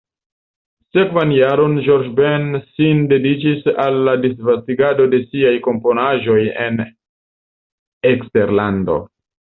Sekvan jardekon Jorge Ben sin dediĉis al la disvastigo de siaj komponaĵoj en eksterlando.